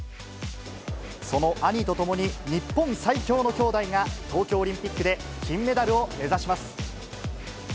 その兄と共に、日本最強の兄妹が東京オリンピックで金メダルを目指します。